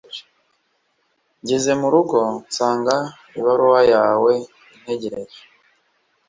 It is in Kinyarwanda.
Ngeze mu rugo nsanga ibaruwa yawe antegereje